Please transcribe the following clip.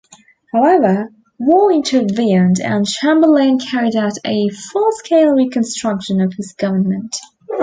However war intervened and Chamberlain carried out a fullscale reconstruction of his government.